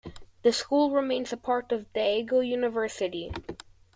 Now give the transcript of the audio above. The school remains a part of Daegu University.